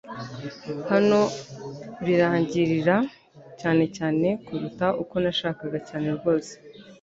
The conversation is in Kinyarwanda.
Hano birangirira" cyane cyane kuruta uko nashakaga cyane rwose